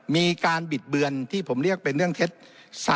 มีการบิดเบือนที่ผมเรียกเป็นเรื่องเท็จ